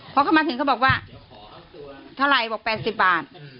พอเขามาถึงเขาบอกว่าเท่าไหร่บอก๘๐บาท